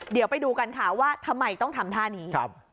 เดี๋ยวไปดูกันค่ะว่าทำไมต้องทำท่านี้